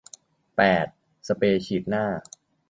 แปด สเปรย์ฉีดหน้า